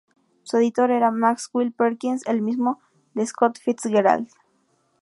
Su editor era Maxwell Perkins, el mismo de Scott Fitzgerald.